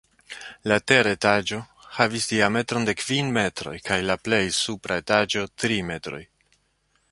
La teretaĝo havis diametron de kvin metroj kaj la plej supra etaĝo tri metroj.